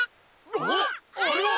あっあれは！